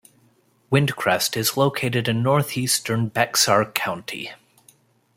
Windcrest is located in northeastern Bexar County.